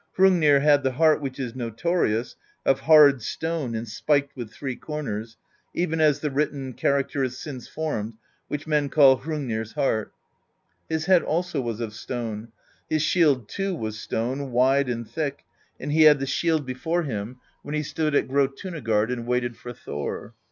Hrungnir had the heart which is no torious, of hard stone and spiked with three corners, even as the written character is since formed, which men call Hrungnir's Heart. His head also was of stone; his shield too was stone, wide and thick, and he had the shield before him when he stood at Grjotunagard and waited for Thor.